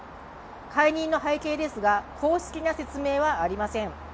解任の背景ですが公式な説明はありません。